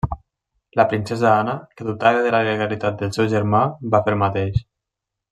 La princesa Anna, que dubtava de la legalitat del seu germà, va fer el mateix.